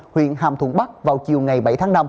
huyện hàm thuận bắc vào chiều ngày bảy tháng năm